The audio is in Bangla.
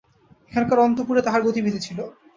এখানকার অন্তঃপুরে তাহার গতিবিধি ছিল।